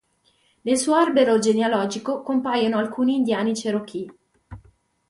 Nel suo albero genealogico compaiono alcuni indiani Cherokee.